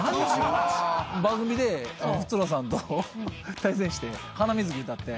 番組でつのださんと対戦して『ハナミズキ』歌って。